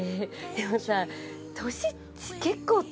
でもさ。